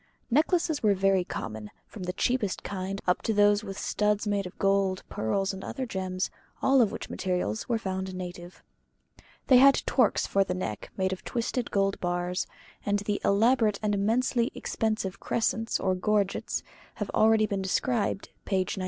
Necklaces were very common, from the cheapest kind up to those with the studs made of gold, pearls, and other gems, all of which materials were found native. They had torques for the neck made of twisted gold bars; and the elaborate and immensely expensive crescents or gorgets have been already described (p. 96).